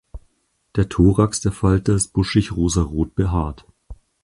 Der Thorax der Falter ist buschig rosa rot behaart.